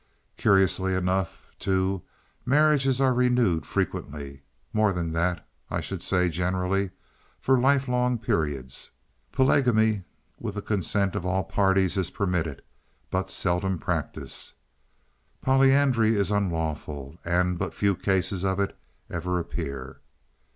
Curiously enough too, marriages are renewed frequently more than that, I should say, generally for life long periods. Polygamy with the consent of all parties is permitted, but seldom practiced. Polyandry is unlawful, and but few cases of it ever appear.